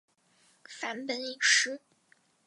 梵本已失。